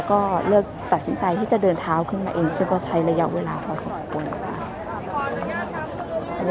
ก็เลือกตัดสินใจที่จะเดินเท้าขึ้นมาเองซึ่งก็ใช้ระยะเวลาพอสมควร